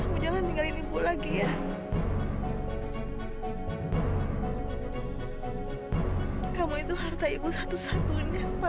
masa ya kita pergi lagi kesana